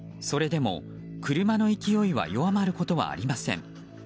それでも車の勢いは弱まることはありません。